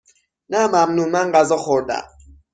نه ممنون، من غذا خوردهام.